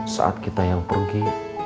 saat kita yang pergi